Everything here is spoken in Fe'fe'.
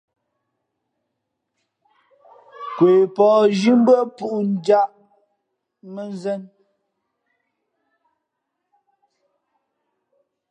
Nkwe pα̌h zhí mbʉ́ά pūꞌ njāꞌ mᾱnzēn.